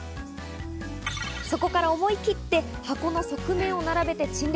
そこから思い切って箱の側面を並べて陳列。